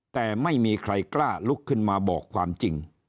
แต่ไม่มีใครกล้าลุกขึ้นมาบอกความจริง